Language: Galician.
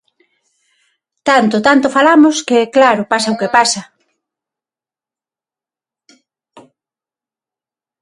Tanto, tanto falamos, que, claro, pasa o que pasa.